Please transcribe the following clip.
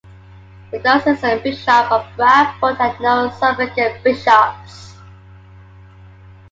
The diocesan Bishop of Bradford had no suffragan bishops.